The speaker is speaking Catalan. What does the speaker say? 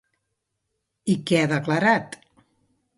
I què ha declarat?